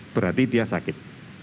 berarti dia sakit